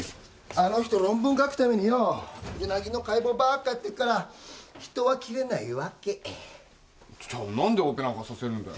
あの人論文書くためにウナギの解剖ばっかやってるから人は切れないわけじゃあなんでオペするんだよ？